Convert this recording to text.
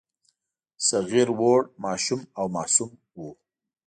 صغیر وړ، ماشوم او معصوم وو.